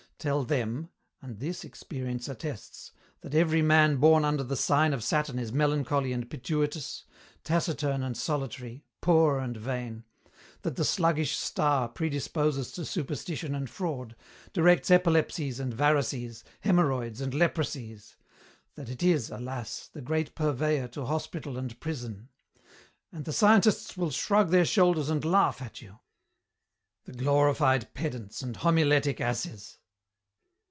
Tell them and this, experience attests that every man born under the sign of Saturn is melancholy and pituitous, taciturn and solitary, poor and vain; that that sluggish star predisposes to superstition and fraud, directs epilepsies and varices, hemorrhoids and leprosies; that it is, alas! the great purveyor to hospital and prison and the scientists will shrug their shoulders and laugh at you. The glorified pedants and homiletic asses!"